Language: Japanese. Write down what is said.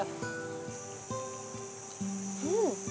うん！